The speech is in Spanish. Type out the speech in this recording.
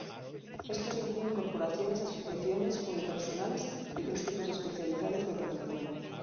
Estos incluyen corporaciones, asociaciones, unipersonales y otros tipos especializados de organización.